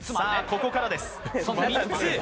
ここからです。